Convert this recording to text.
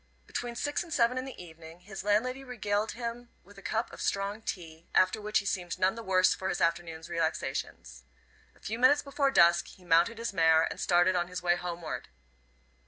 Between six and seven in the evening his landlady regaled him with a cup of strong tea, after which he seemed none the worse for his afternoon's relaxations. A few minutes before dusk he mounted his mare and started on his way homeward.